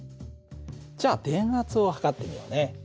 じゃあ電圧を測ってみようね。